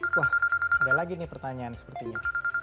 wah ada lagi nih pertanyaan sepertinya